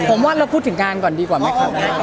ผมว่าเราพูดถึงการก่อนดีกว่าไหมครับ